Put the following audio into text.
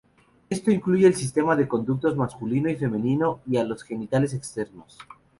Esto incluye el sistema de conductos masculino y femenino y a los genitales externos.